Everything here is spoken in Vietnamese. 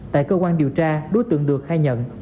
tại cơ quan điều tra đối tượng được khai nhận